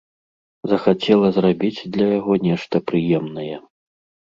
Захацела зрабіць для яго нешта прыемнае.